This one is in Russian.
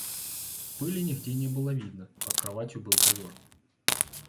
Пыли нигде не было видно, под кроватью был ковер.